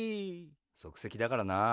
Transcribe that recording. そくせきだからなあ。